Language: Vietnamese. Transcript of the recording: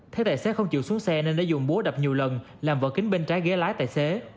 thấy tài xế không chịu xuống xe nên đã dùng búa đập nhiều lần làm vỡ kính bên trái ghế lái tài xế